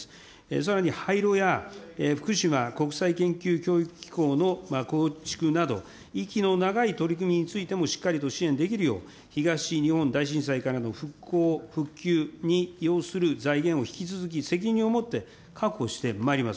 さらに、廃炉や福島国際研究教育機構の構築など、息の長い取り組みについてもしっかりと支援できるよう、東日本大震災からの復興、復旧に要する財源を引き続き責任を持って確保してまいります。